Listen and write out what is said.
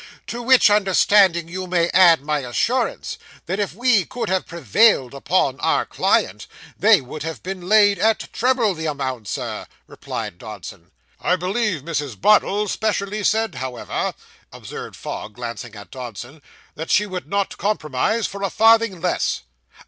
'To which understanding you may add my assurance, that if we could have prevailed upon our client, they would have been laid at treble the amount, sir,' replied Dodson. 'I believe Mrs. Bardell specially said, however,' observed Fogg, glancing at Dodson, 'that she would not compromise for a farthing less.